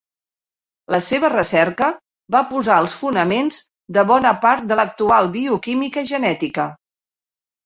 La seva recerca va posar els fonaments de bona part de l'actual bioquímica genètica.